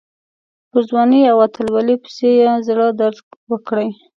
پر ځوانۍ او اتلولۍ پسې یې زړه درد وکړي.